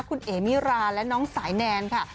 คุณเอ๋มิราและน้องสายแนนค่ะ